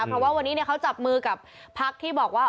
เพราะว่าวันนี้เขาจับมือกับพักที่บอกว่า